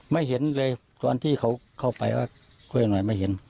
ไม่เห็นเลยตอนที่เขาเข้าไปว่าคุยหน่อยไม่เห็น